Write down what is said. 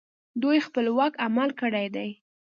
دوی خپلواک عمل کړی دی